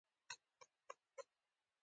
رسۍ کله انسان ژغوري.